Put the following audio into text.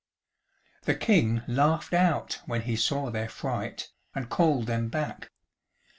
The King laughed out when he saw their fright, and called them back.